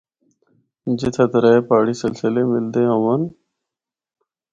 جِتھا ترے پہاڑی سلسلے ملدے ہون۔